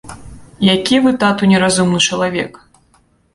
Які вы, тату, неразумны чалавек.